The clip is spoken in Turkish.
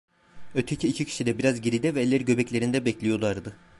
Öteki iki kişi de biraz geride ve elleri göbeklerinde bekliyorlardı.